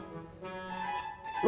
ada yang mau ceritain sama lo